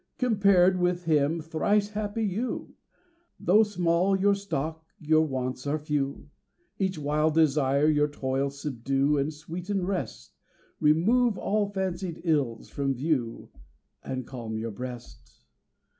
Compared with him thrice happy you; Though small your stock your wants are few Each wild desire your toils subdue, And sweeten rest, Remove all fancied ills from view, And calm your breast.